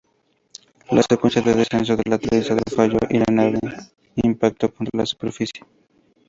La secuencia de descenso del aterrizador falló y la nave impactó contra la superficie.